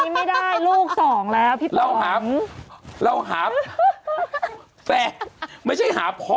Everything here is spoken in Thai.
หมองกระจากทิ้งคนนี้ไม่ได้